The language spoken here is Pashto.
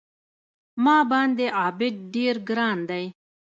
ما باندې عابد ډېر ګران دی